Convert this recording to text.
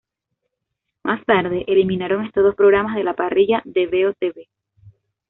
Más tarde, eliminaron estos dos programas de la parrilla de Veo Tv.